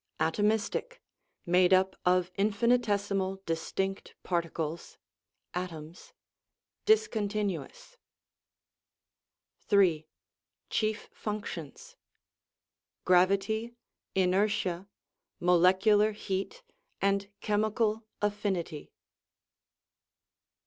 Atomistic, made up of infinitesi mal, distinct particles (atoms) discontinuous. 3. Chief Functions! Gravity, inertia, molecular heat, and chemical affinity.